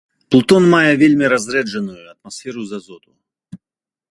Плутон мае вельмі разрэджаную атмасферу з азоту.